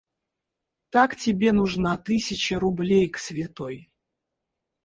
Так тебе нужна тысяча рублей к Святой.